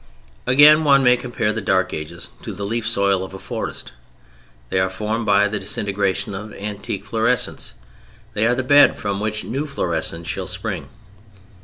Again one may compare the Dark Ages to the leafsoil of a forest. They are formed by the disintegration of an antique florescence. They are the bed from which new florescence shall spring.